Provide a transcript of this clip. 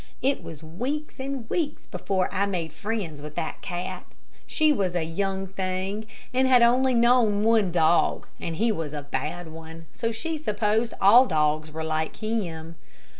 It was weeks and weeks before I made friends with that cat. She was a young thing, and had known only one dog, and he was a bad one, so she supposed all dogs were like him.